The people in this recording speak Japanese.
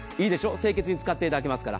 清潔に使っていただけますから。